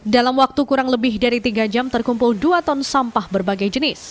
dalam waktu kurang lebih dari tiga jam terkumpul dua ton sampah berbagai jenis